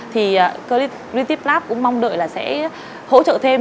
thì creative lab cũng mong đợi là sẽ hỗ trợ thêm